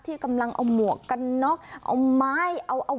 ที่กำลังเอาหมวกกันน้อยเอาไม้